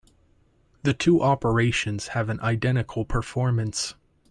The two operations have an identical performance.